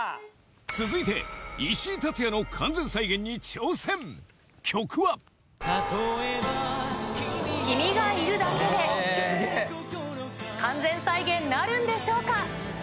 続いて石井竜也の完全再現に挑戦曲は完全再現なるんでしょうか？